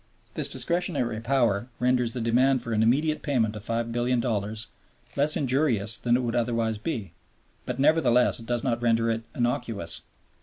This discretionary power renders the demand for an immediate payment of $5,000,000,000 less injurious than it would otherwise be, but nevertheless it does not render it innocuous.